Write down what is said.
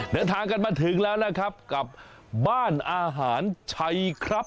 เดินทางกันมาถึงแล้วนะครับกับบ้านอาหารชัยครับ